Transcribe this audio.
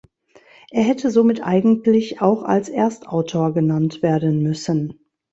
Er hätte somit eigentlich auch als Erstautor genannt werden müssen.